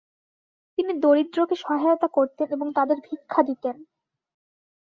তিনি দরিদ্রকে সহায়তা করতেন এবং তাদের ভিক্ষা দিতেন।